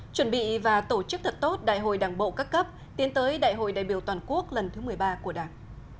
chuẩn bị và tổ chức thật tốt đại hội đảng bộ các cấp tiến tới đại hội đại biểu toàn quốc lần thứ một mươi ba của đảng